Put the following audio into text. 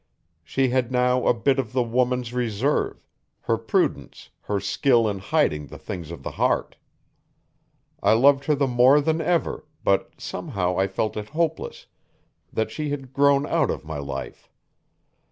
She had now a bit of the woman's reserve her prudence, her skill in hiding the things of the heart. I loved her more than ever, but somehow I felt it hopeless that she had grown out of my life.